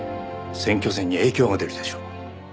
選挙戦に影響が出るでしょう。